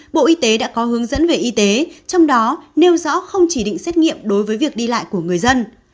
bộ y tế đã có hướng dẫn về y tế trong đó nêu rõ không chỉ định xét nghiệm đối với việc đi lại của người dân